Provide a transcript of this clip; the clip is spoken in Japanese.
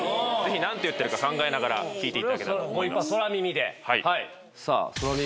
何て言ってるか考えながら聞いていただけたらと思います。